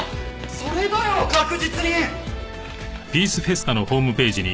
それだよ確実に！